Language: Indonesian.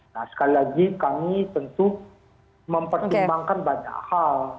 nah sekali lagi kami tentu mempertimbangkan banyak hal